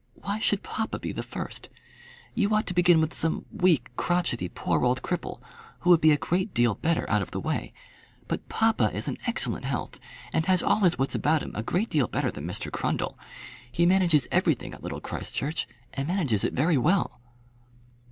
Why should papa be the first? You ought to begin with some weak, crotchety, poor old cripple, who would be a great deal better out of the way. But papa is in excellent health, and has all his wits about him a great deal better than Mr Grundle. He manages everything at Little Christchurch, and manages it very well."